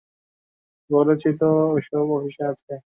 বলছি তো, ওসব অফিসে আছে।